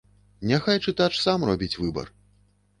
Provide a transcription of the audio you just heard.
Няхай чытач сам робіць выбар.